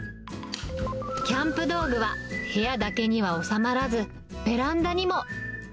キャンプ道具は部屋だけには収まらず、ベランダにも。